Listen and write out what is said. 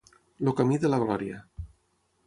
El camí de la glòria.